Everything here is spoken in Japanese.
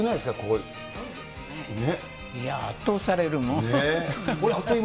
いやぁ、圧倒される、もう。